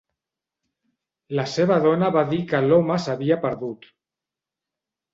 La seva dona va dir que l'home s'havia perdut.